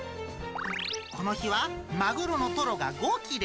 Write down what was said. この日はマグロのトロが５切れ。